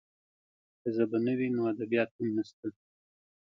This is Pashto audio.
که ژبه نه وي، نو ادبیات هم نشته.